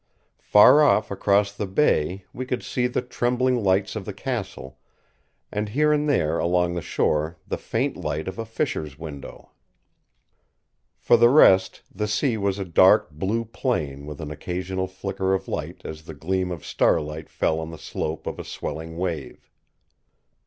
Far off across the bay we could see the trembling lights of the castle, and here and there along the shore the faint light of a fisher's window. For the rest the sea was a dark blue plain with an occasional flicker of light as the gleam of starlight fell on the slope of a swelling wave.